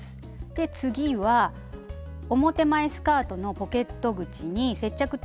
で次は表前スカートのポケット口に接着テープ。